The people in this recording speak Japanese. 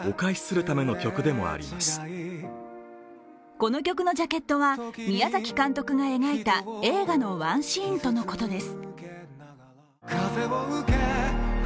この曲のジャケットは宮崎監督が描いた映画のワンシーンとのことです。